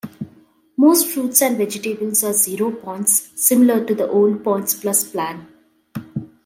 Most fruits and vegetables are zero points, similar to the old PointsPlus plan.